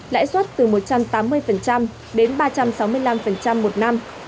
lãi suất từ một trăm tám mươi đến ba trăm sáu mươi năm một năm